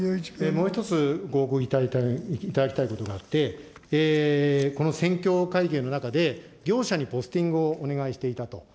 もう一つ、ご報告いただきたいことがあって、この選挙会見の中で、業者にポスティングをお願いしていたと。